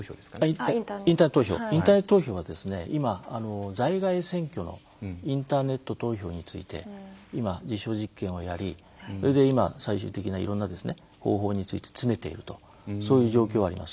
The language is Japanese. いや、インターネット投票は今、在外選挙インターネット投票について実証実験をやってそれで今、最終的ないろいろな方法について詰めているとそういう状況があります。